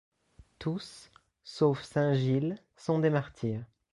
Tous, sauf saint Gilles, sont des martyrs.